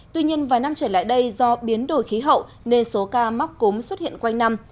tuy nhiên vài năm trở lại đây do biến đổi khí hậu nên số ca mắc cúm xuất hiện quanh năm